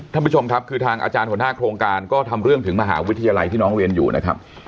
ท่านผู้ชมครับคือทางอาจารย์หัวหน้าโครงการก็ทำเรื่องถึงมหาวิทยาลัยที่น้องเรียนอยู่นะครับ